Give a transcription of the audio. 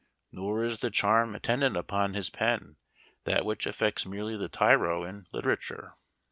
Nor is the charm attendant upon his pen that which affects merely the tyro in literature.